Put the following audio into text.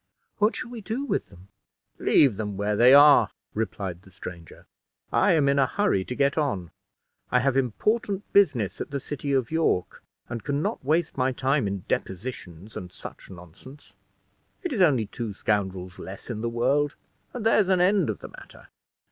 "What shall we do with them?" "Leave them where they are," replied the stranger. "I am in a hurry to get on. I have important business at the city of York, and can not waste my time in depositions, and such nonsense. It is only two scoundrels less in the world, and there's an end of the matter."